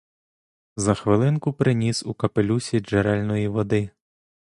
За хвилинку приніс у капелюсі джерельної води.